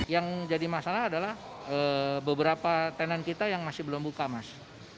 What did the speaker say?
yang jadi masalah adalah beberapa tenan kita yang masih belum buka mas